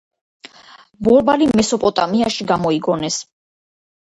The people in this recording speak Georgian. ბორბალი მესოპოტამიაში გამოიგონეს.